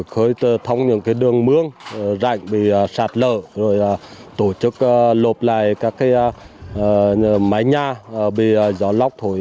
khởi tư thông những đường mương rạch bị sạt lỡ tổ chức lột lại các mái nhà bị gió lóc